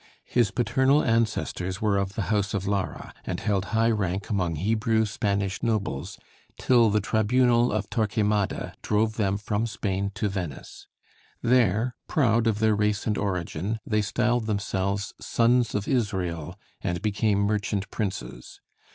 His paternal ancestors were of the house of Lara, and held high rank among Hebrew Spanish nobles till the tribunal of Torquemada drove them from Spain to Venice. There, proud of their race and origin, they styled themselves, "Sons of Israel," and became merchant princes.